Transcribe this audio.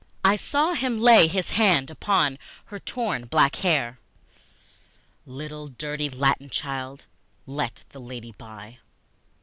I saw him lay his hand upon her torn black hair; ("Little dirty Latin child, let the lady by!")